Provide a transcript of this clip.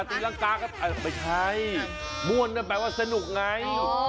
ตีรังกาก็ไม่ใช่ม่วนนั่นแปลว่าสนุกไง